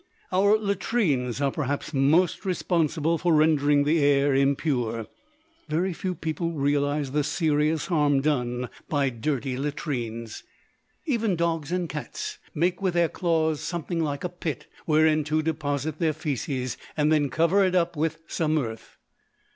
Our latrines are perhaps most responsible for rendering the air impure. Very few people realise the serious harm done by dirty latrines. Even dogs and cats make with their claws something like a pit wherein to deposit their fæces, and then cover it up with some earth.